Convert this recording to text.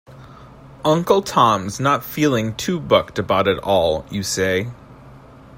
Uncle Tom's not feeling too bucked about it all, you say?